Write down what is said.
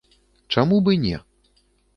Чаму б і не?